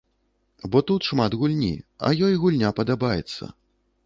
Бо тут шмат гульні, а ёй гульня падабаецца.